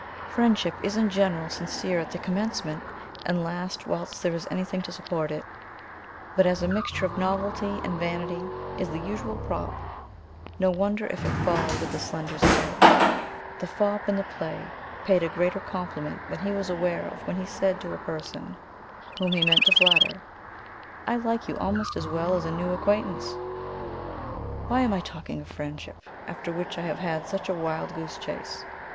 Friendship is in general sincere at the commencement, and lasts whilst there is anything to support it; but as a mixture of novelty and vanity is the usual prop, no wonder if it fall with the slender stay. The fop in the play paid a greater compliment than he was aware of when he said to a person, whom he meant to flatter, "I like you almost as well as a new acquaintance." Why am I talking of friendship, after which I have had such a wild goose chase.